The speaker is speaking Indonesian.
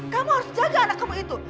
kamu harus jaga anak kamu itu